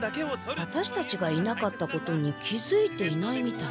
ワタシたちがいなかったことに気づいていないみたい。